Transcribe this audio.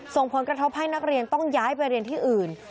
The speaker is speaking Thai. ส่งผลกระทบให้นักเรียนต้องย้ายไปเรียนที่อื่น